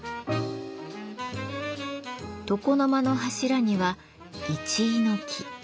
床の間の柱には一位の木。